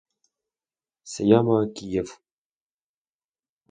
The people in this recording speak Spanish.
Se llama Kiev